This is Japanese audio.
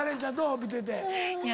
見てて。